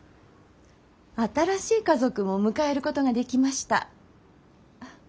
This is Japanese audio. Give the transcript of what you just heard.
新しい家族も迎えることができました。